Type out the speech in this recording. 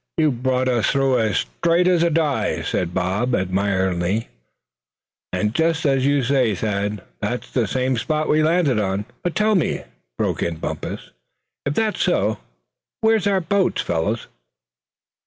"You brought us through as straight as a die," said Bob, admiringly; "and just as you say, Thad, that's the same spot we landed on." "But tell me," broke in Bumpus, "if that's so, where's our boat, fellows?"